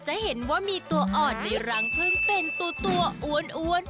จะเห็นว่ามีตัวอ่อนในรังพึ่งเป็นตัวอ้วน